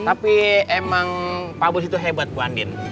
tapi emang pak bos itu hebat bu andin